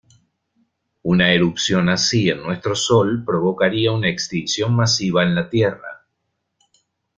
Una erupción así en nuestro Sol provocaría una extinción masiva en la Tierra.